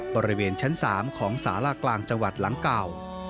บริเวณชั้น๓ของสารากลางจังหวัดหลังเก่า